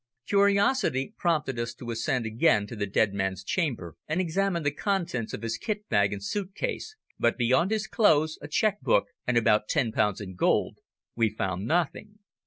Curiosity prompted us to ascend again to the dead man's chamber and examine the contents of his kit bag and suit case, but, beyond his clothes, a cheque book and about ten pounds in gold, we found nothing.